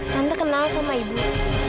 tante kenal sama ibu